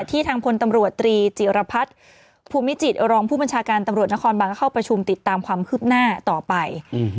ที่ทางพลตำรวจตรีจีฤพพุมิจิตรรองผู้ปัญชาการตำรวจนครบังค์เข้าประชุมติดตามความขึบหน้าต่อไป